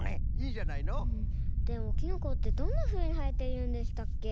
でもキノコってどんなふうにはえているんでしたっけ？